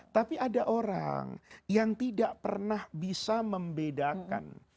tapi ada orang yang tidak pernah bisa membedakan